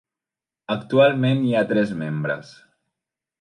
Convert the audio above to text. Actualment hi ha tres membres.